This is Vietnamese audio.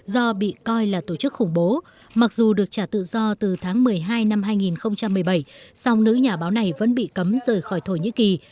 do bị coi là tổ chức khủng bố mặc dù được trả tự do từ tháng một mươi hai năm hai nghìn một mươi bảy song nữ nhà báo này vẫn bị cấm rời khỏi thổ nhĩ kỳ